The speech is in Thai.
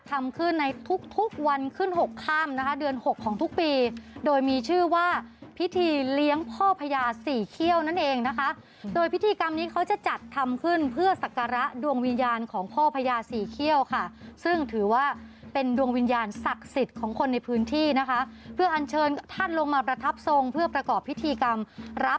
ทำขึ้นในทุกทุกวันขึ้นหกข้ามนะคะเดือนหกของทุกปีโดยมีชื่อว่าพิธีเลี้ยงพ่อพญาสี่เขี้ยวนั่นเองนะคะโดยพิธีกรรมนี้เขาจะจัดทำขึ้นเพื่อสักการะดวงวิญญาณของพ่อพญาสี่เขี้ยวค่ะซึ่งถือว่าเป็นดวงวิญญาณศักดิ์สิทธิ์ของคนในพื้นที่นะคะเพื่ออัญเชิญท่านลงมาประทับทรงเพื่อประกอบพิธีกรรมรับ